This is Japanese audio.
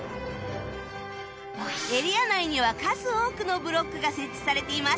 エリア内には数多くのブロックが設置されています